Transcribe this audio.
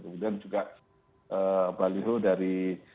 kemudian juga baliho dari